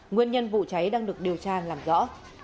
nguyên nhân vụ cháy đang được điều tra làm rõ